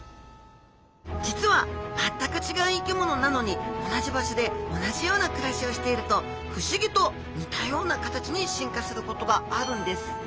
実は全く違う生き物なのに同じ場所で同じような暮らしをしていると不思議と似たような形に進化することがあるんです。